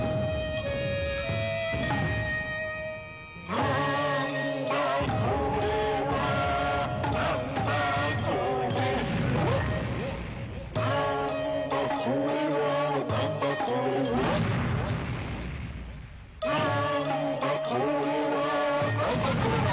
なんだこれはなんだこれはなんだこれはなんだこれはなんだこれはなんだこれは！